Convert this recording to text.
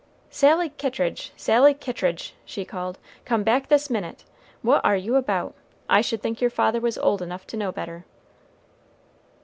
"Sally Kittridge! Sally Kittridge!" she called, "come back this minute. What are you about? I should think your father was old enough to know better."